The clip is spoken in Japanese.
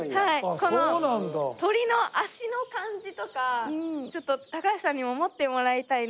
この鳥の脚の感じとかちょっと高橋さんにも持ってもらいたいな。